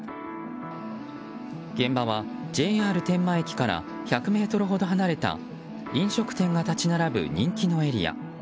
現場は、ＪＲ天満駅から１００ｍほど離れた飲食店が立ち並ぶ人気のエリア。